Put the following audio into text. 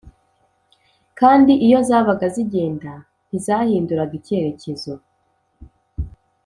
Kandi iyo zabaga zigenda ntizahinduraga icyerekezo